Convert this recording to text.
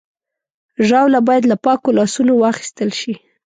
ژاوله باید له پاکو لاسونو واخیستل شي.